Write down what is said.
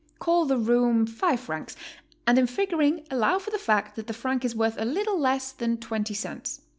Call the room 5 francs, and in figuring allow for the fact that the franc is worth a little less than 20 cents.